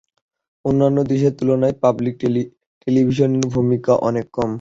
অন্যান্য দেশের তুলনায় পাবলিক টেলিভিশনের ভূমিকা অনেক কম।